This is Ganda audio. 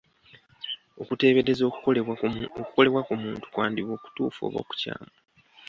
Okuteebereza okukolebwa ku muntu kwandiba okutuufu oba okukyamu.